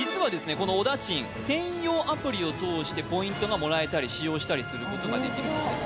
このおだちん専用アプリを通してポイントがもらえたり使用したりすることができるそうです